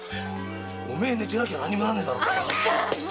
お前寝てなきゃ何にもならねえだろうが！